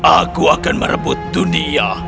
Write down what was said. aku akan merebut dunia